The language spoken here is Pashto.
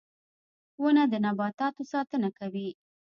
• ونه د نباتاتو ساتنه کوي.